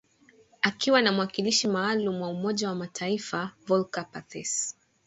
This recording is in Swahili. akiwa na mwakilishi maalum wa Umoja wa mataifa , Volker Perthes